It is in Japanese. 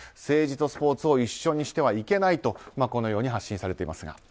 政治とスポーツを一緒にしてはいけないとこのように発信されていますが。